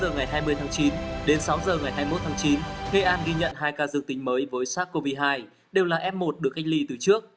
nghệ an ghi nhận hai ca dược tính mới với sars cov hai đều là f một được cách ly từ trước